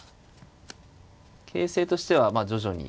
形勢としては徐々に。